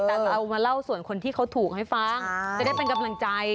แต่เรามาเล่าส่วนคนที่เขาถูกให้ฟังจะได้เป็นกำลังใจ